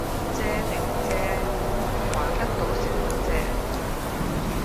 借定唔借？還得到先好借！